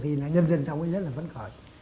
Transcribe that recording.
thì là nhân dân trong ấy rất là phấn khởi